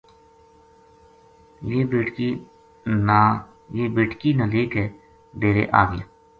یہ بیٹکی نا لے کے ڈیرے آ گیا